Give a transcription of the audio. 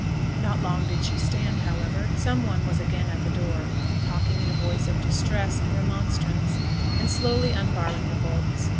Not long did she stand, however; some one was again at the door, talking in a voice of distress and remonstrance, and slowly unbarring the bolts.